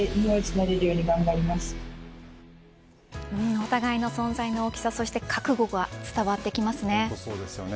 お互いの存在の大きさ、そして覚悟が伝わってきますね。